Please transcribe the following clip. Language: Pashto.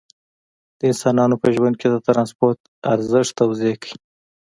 د انسانانو په ژوند کې د ترانسپورت ارزښت توضیح کړئ.